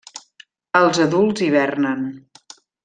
Els adults hivernen.